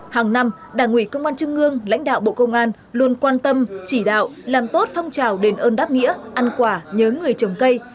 hàng năm đảng ủy công an trung ương lãnh đạo bộ công an luôn quan tâm chỉ đạo làm tốt phong trào đền ơn đáp nghĩa ăn quả nhớ người trồng cây